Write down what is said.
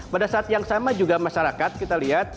pada saat yang sama juga masyarakat kita lihat